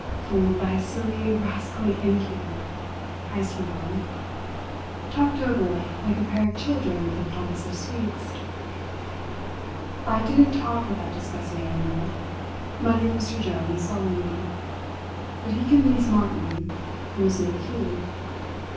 "Fooled by a silly, rascally innkeeper!" Heyst went on. "Talked over like a pair of children with a promise of sweets!" "I didn't talk with that disgusting animal," muttered Mr. Jones sullenly; "but he convinced Martin, who is no fool."